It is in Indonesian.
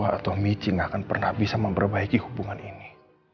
mbak atau michi nggak akan pernah bisa memperbaiki hubungan ini